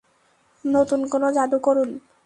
নতুন কোন জাদু করুন।